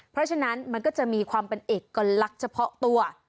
เพราะฉะนั้นมันก็จะมีความเป็นเอกลักษณ์เฉพาะตัว